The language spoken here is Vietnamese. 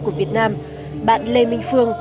của việt nam bạn lê minh phương